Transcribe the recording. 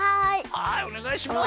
はいおねがいします。